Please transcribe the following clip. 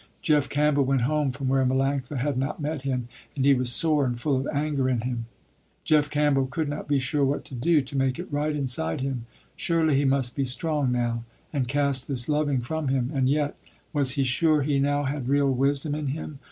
Jeff Campbell went home from where Melanctha had not met him, and he was sore and full of anger in him. Jeff Campbell could not be sure what to do, to make it right inside him. Surely he must be strong now and cast this loving from him, and yet, was he sure he now had real wisdom in him.